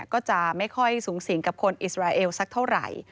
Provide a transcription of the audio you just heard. ก็จะไม่ค่อยสูงสิงกับคนอิสราเอลสักเท่าไหร่